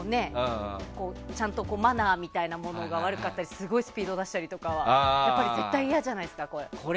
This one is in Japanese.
マナーみたいなものが悪かったりすごくスピードを出したりとか絶対にいやじゃないですか。